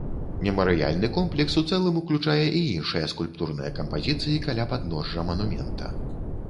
Мемарыяльны комплекс у цэлым уключае і іншыя скульптурныя кампазіцыі каля падножжа манумента.